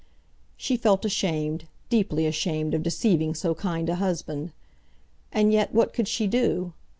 She felt ashamed, deeply ashamed, of deceiving so kind a husband. And yet, what could she do?